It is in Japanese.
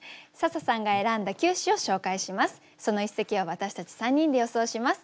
笹さんが選んだ９首を紹介します。